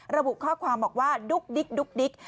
ระบุข้อความบอกว่าดุ๊กดิ๊กดุ๊กดิ๊ก